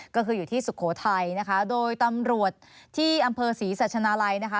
ก็คืออยู่ที่สุโขทัยนะคะโดยตำรวจที่อำเภอศรีสัชนาลัยนะคะ